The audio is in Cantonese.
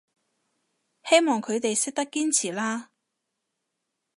希望佢哋識得堅持啦